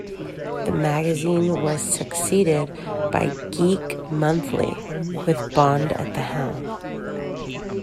The magazine was succeeded by "Geek Monthly", with Bond at the helm.